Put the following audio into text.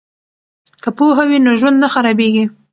که پوهه وي نو ژوند نه خرابیږي.